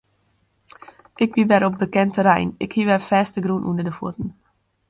Ik wie wer op bekend terrein, ik hie wer fêstegrûn ûnder de fuotten.